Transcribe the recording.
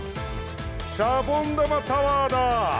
シャボン玉タワーだ！